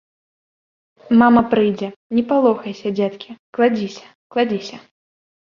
Мама прыйдзе, не палохайся, дзеткі, кладзіся, кладзіся.